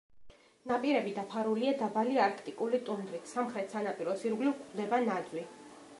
ნაპირები დაფარულია დაბალი არქტიკული ტუნდრით, სამხრეთ სანაპიროს ირგვლივ გვხვდება ნაძვი.